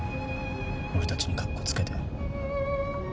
俺たちにカッコつけて。